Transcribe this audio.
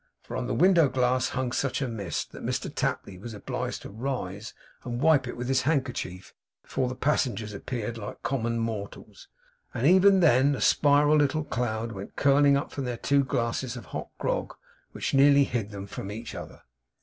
For on the window glass hung such a mist, that Mr Tapley was obliged to rise and wipe it with his handkerchief, before the passengers appeared like common mortals. And even then, a spiral little cloud went curling up from their two glasses of hot grog, which nearly hid them from each other.